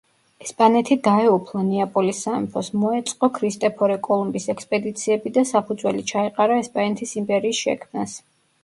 ესპანეთი დაეუფლა ნეაპოლის სამეფოს, მოეწყო ქრისტეფორე კოლუმბის ექსპედიციები და საფუძველი ჩაეყარა ესპანეთის იმპერიის შექმნას.